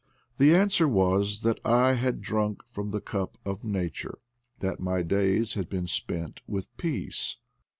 The answer was that I had drunk from the cup of nature, that my days had been spent with peace.